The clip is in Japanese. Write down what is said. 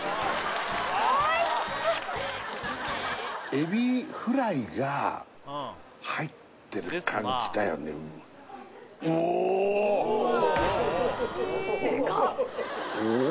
エビフライが入ってる感じだよねうおっ！